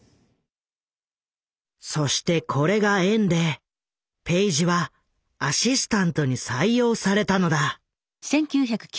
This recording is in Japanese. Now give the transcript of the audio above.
そしてこれが縁でペイジはアシスタントに採用されたのだ。